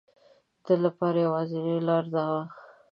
ده لپاره یوازینی لاره دا وه.